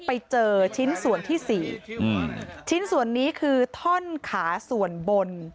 ไปเจอชิ้นส่วนที่สี่อืมชิ้นส่วนนี้คือท่อนขาส่วนบน